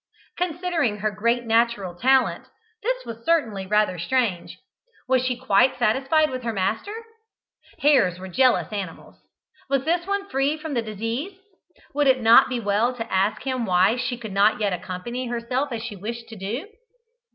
Considering her great natural talent this was certainly rather strange. Was she quite satisfied with her master? Hares were jealous animals. Was this one free from the disease? Would it not be well to ask him why she could not yet accompany herself as she wished to do?